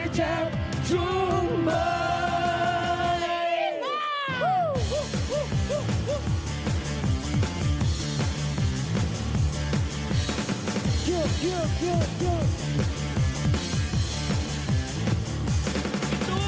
จึงทางทางที่เจ็บถุงใบ